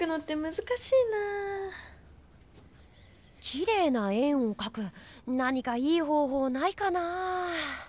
きれいな円をかく何かいい方ほうないかなぁ？